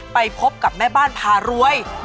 ไปพบกับแม่บ้านพารวย